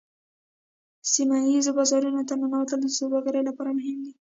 سیمه ایزو بازارونو ته ننوتل د سوداګرۍ لپاره مهم دي